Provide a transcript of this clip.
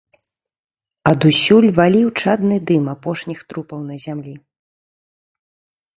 Адусюль валіў чадны дым апошніх трупаў на зямлі.